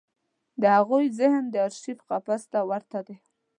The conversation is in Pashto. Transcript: د هغوی ذهن د ارشیف قفس ته ورته دی.